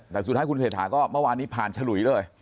แต่สุดท้ายคุณเศรษฐาก็เมื่อวานนี้ผ่านฉลุยเลย